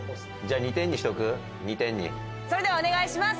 それではお願いします！